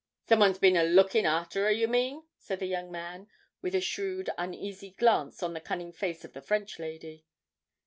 'Some one's bin a lookin' arter her, you mean?' said the young man, with a shrewd uneasy glance on the cunning face of the French lady.